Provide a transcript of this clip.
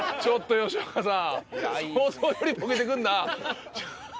［吉岡さん